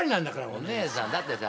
お姉さんだってさ